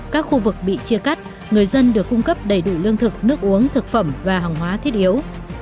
các khu vực bị chia cắt người dân được cung cấp đầy đủ lương thực nước uống thực phẩm và hàng hóa thiết yếu